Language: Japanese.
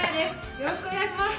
よろしくお願いします！